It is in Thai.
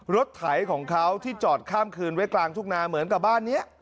ไถของเขาที่จอดข้ามคืนไว้กลางทุ่งนาเหมือนกับบ้านนี้